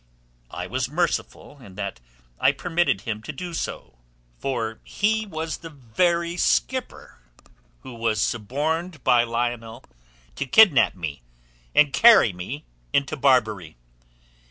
I was merciful in that I permitted him to do so, for he is the very skipper who was suborned by Lionel to kidnap me and carry me into Barbary.